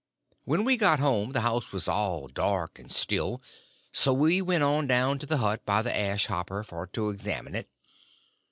When we got home the house was all dark and still; so we went on down to the hut by the ash hopper for to examine it.